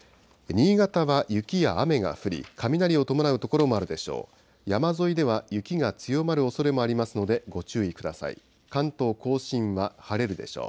新潟は雪や雨が降り、雷を伴う所もあるでしょう。